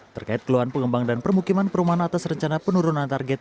terkait keluhan pengembang dan permukiman perumahan atas rencana penurunan target